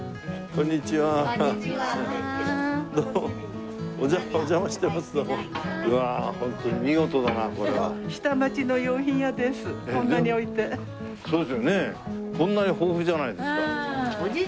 こんなに豊富じゃないですか。